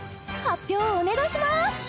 発表をお願いします